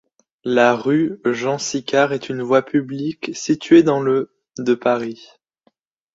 La rue Jean-Sicard est une voie publique située dans le de Paris.